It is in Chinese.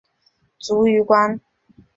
卒于官。